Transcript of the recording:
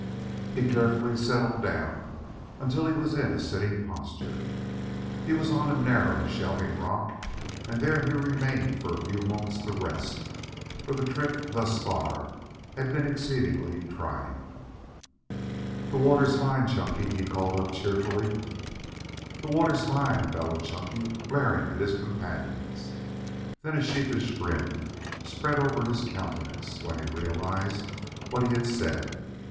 He carefully settled down until he was in a sitting posture. He was on a narrow, shelving rock, and there he remained for a few moments to rest, for the trip thus far had been exceedingly trying. "The water's fine, Chunky," he called up cheerfully. "The water's fine," bellowed Chunky, glaring at his companions. Then a sheepish grin spread over his countenance when he realized what he had said.